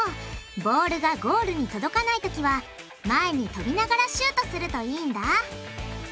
ボールがゴールに届かないときは前にとびながらシュートするといいんだ。